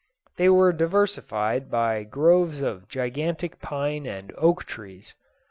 They were diversified by groves of gigantic pine and oak trees.